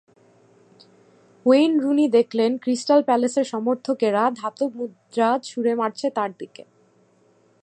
Wayne Rooney দেখলেন Crystal Palace সমর্থকেরা ধাতব মুদ্রা ছুড়ে মারছে তাঁর দিকে।